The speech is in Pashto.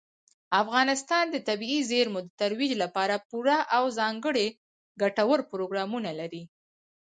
افغانستان د طبیعي زیرمې د ترویج لپاره پوره او ځانګړي ګټور پروګرامونه لري.